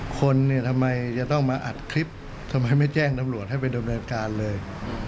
คนเนี่ยทำไมจะต้องมาอัดคลิปทำไมไม่แจ้งตำรวจให้ไปดำเนินการเลย